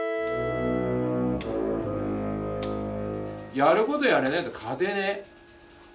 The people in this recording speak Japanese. やることやれねえと勝てねえ。